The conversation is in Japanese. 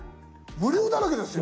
無料だらけですよ。